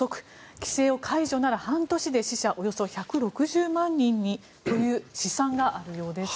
規制を解除なら、半年で死者およそ１６０万人にという試算があるようです。